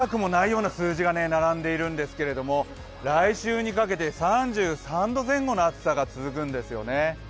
見たくもないような数字が並んでいるんですけれども来週にかけて３３度前後の暑さが続くんですよね。